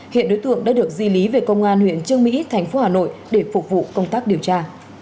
hiện đối tượng đã được di lý về công an huyện trương mỹ thành phố hà nội để phục vụ công tác điều tra